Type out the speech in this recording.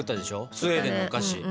スウェーデンのお菓子。